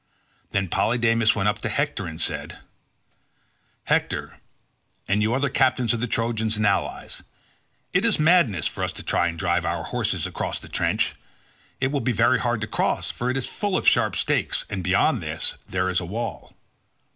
Then Polydamas went up to Hector and said, "Hector, and you other captains of the Trojans and allies, it is madness for us to try and drive our horses across the trench; it will be very hard to cross, for it is full of sharp stakes, and beyond these there is the wall.